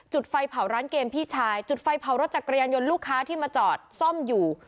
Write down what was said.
ไฟเผาร้านเกมพี่ชายจุดไฟเผารถจักรยานยนต์ลูกค้าที่มาจอดซ่อมอยู่